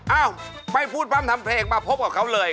เออไปพูดปั๊มทำเพลงมาพบกับเขาเลย